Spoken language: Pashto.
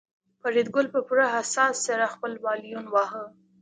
فریدګل په پوره احساس سره خپل وایلون واهه